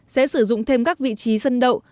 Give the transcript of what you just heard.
sẽ sử dụng thêm các vị trí sân đậu